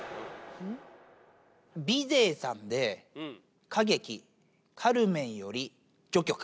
ビゼーさんで、歌劇カルメンより、序曲。